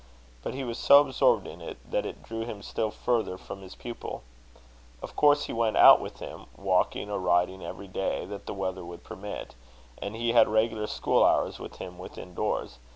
But he was so absorbed in it, that it drew him still further from his pupil. Of course he went out with him, walking or riding every day that the weather would permit; and he had regular school hours with him within doors.